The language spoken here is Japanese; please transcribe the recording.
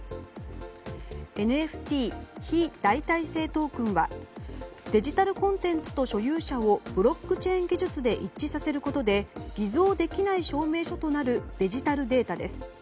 ＮＦＴ・非代替性トークンはデジタルコンテンツと所有者をブロックチェーン技術で一致させることで偽造できない証明書となるデジタルデータです。